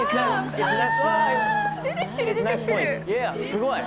すごい！